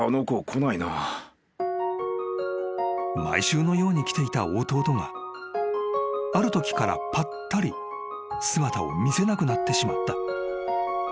［毎週のように来ていた弟があるときからぱったり姿を見せなくなってしまった］